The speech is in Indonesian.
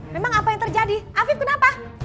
memang apa yang terjadi afif kenapa